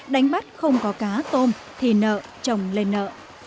đánh bắt không có cá tôm thì nợ trồng lên nợ